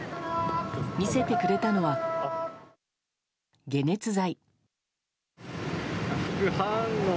見せてくれたのは解熱剤。